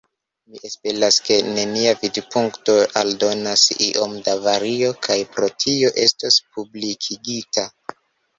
Mi esperas, ke nia vidpunkto aldonas iom da vario kaj pro tio estos publikigita.